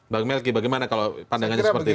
bang melky bagaimana kalau pandangannya seperti itu